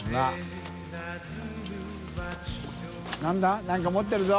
何か持ってるぞ。